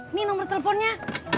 ini nomer teleponnya